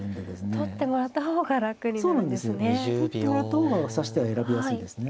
取ってもらった方が指し手は選びやすいですね。